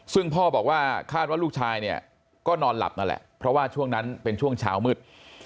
ซึ่งพ่อบอกว่าคาดว่าลูกชายเนี่ยก็นอนหลับนั่นแหละเพราะว่าช่วงนั้นเป็นช่วงเช้ามืด